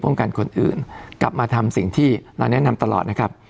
กันคนอื่นกลับมาทำสิ่งที่เราแนะนำตลอดนะครับ